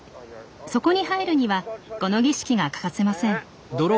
そこに入るにはこの儀式が欠かせません。